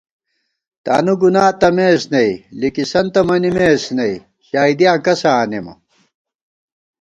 تانُو گُنا تمېس نئ لِکِسَنتہ مَنِمېس نئ، شائیدِیاں کسہ آنېمہ